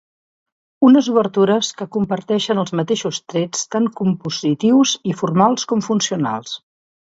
Unes obertures que comparteixen els mateixos trets tant compositius i formals com funcionals.